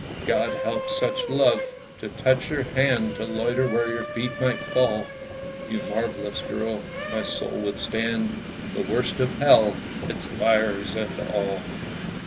God help such love! To touch your hand, To loiter where your feet might fall, You marvellous girl, my soul would stand The worst of hell its fires and all!